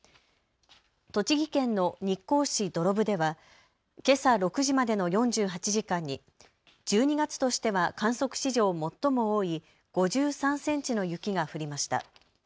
栃木県の日光市土呂部ではけさ６時までの４８時間に１２月としては観測史上最も多い５３センチの雪が降りました。